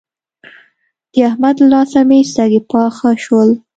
د احمد له لاسه مې سږي پاخه شول.